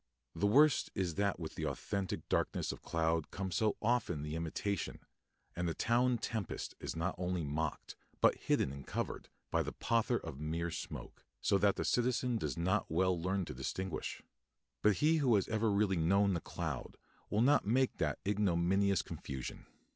The worst is that with the authentic darkness of cloud comes so often the imitation, and a town tempest is not only mocked, but hidden and covered, by the pother of mere smoke, so that the citizen does not well learn to distinguish. But he who has ever really known the cloud will not make that ignominious confusion.